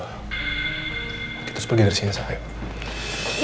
kita harus pergi dari sini say